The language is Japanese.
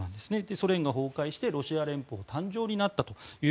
ソ連が崩壊してロシア連邦誕生となったと。